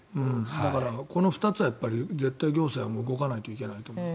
だから、この２つは絶対に行政は動かないといけないと思う。